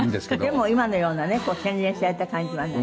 でも今のようなね洗練された感じはない。